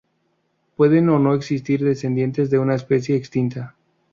Pueden o no existir descendientes de una especie extinta.